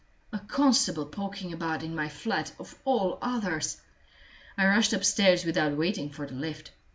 A constable poking about in my flat of all others! I rushed upstairs without waiting for the lift.